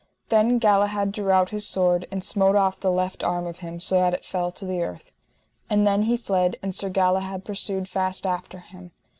Then Galahad drew out his sword and smote off the left arm of him, so that it fell to the earth. And then he fled, and Sir Galahad pursued fast after him.